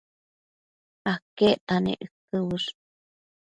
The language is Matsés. aquecta nec uëquë uësh?